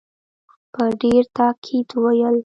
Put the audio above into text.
په ډېر تاءکید وویل.